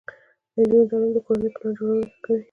د نجونو تعلیم د کورنۍ پلان جوړونې ښه کوي.